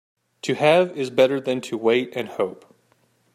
To have is better than to wait and hope.